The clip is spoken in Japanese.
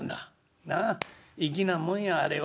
なあ粋なもんやあれは。